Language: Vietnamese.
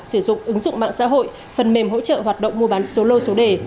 sử dụng ứng dụng mạng xã hội phần mềm hỗ trợ hoạt động mua bán số lô số đề